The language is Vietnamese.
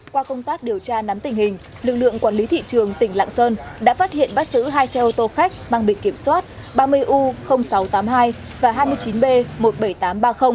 qua công tác điều tra nắm tình hình lực lượng quản lý thị trường tỉnh lạng sơn đã phát hiện bắt giữ hai xe ô tô khách mang bị kiểm soát ba mươi u sáu trăm tám mươi hai và hai mươi chín b một mươi bảy nghìn tám trăm ba mươi